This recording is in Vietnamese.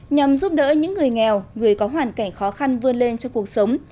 nhằm giúp đỡ những người nghèo người có hoàn cảnh khó khăn vươn lên trong cuộc sống